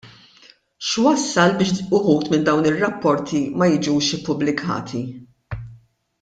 X'wassal biex uħud minn dawn ir-rapporti ma jiġux ippubblikati?